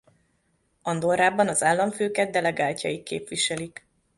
Andorrában az államfőket delegáltjaik képviselik.